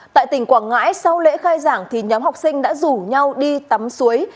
tại tỉnh quảng ngãi sau lễ khai giảng thì nhóm học sinh đã rủ nhau đi tắm suối